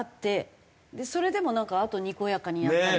それでもなんかあとにこやかにやってたりしてて。